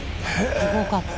すごかった。